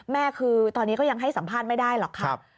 แม่คือตอนนี้ก็ยังให้สัมภาษณ์ไม่ได้หรอกครับ